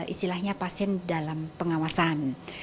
istilahnya pasien dalam pengawasan